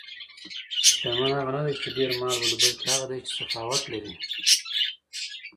شتمن هغه نه دی چې ډېر مال ولري، بلکې هغه دی چې سخاوت لري.